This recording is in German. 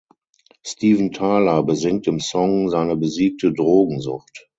Steven Tyler besingt im Song seine besiegte Drogensucht.